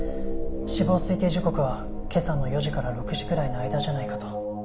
死亡推定時刻は今朝の４時から６時くらいの間じゃないかと。